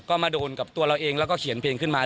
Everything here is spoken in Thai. ก็มาโดนกับตัวเราเองแล้วก็เขียนเพลงขึ้นมา